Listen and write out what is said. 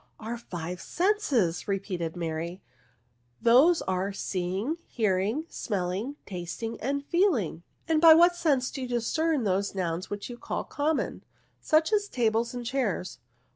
" Our five senses!" repeated Mary: " those are seeing, hearing, smelling, tasting, and feeling." 12 NOUNS. " And by what sense do you discern those nouns which you call common, such as tables and chairs